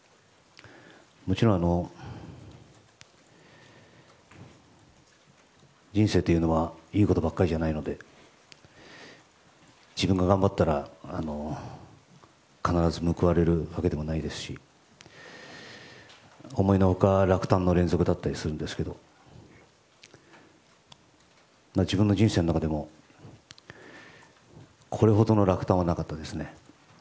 もちろん、人生というのはいいことばかりじゃないので自分が頑張ったら、必ず報われるわけでもないですし思いの外、落胆の連続だったりするんですけど自分の人生の中でもこれほどの落胆はなかったですね。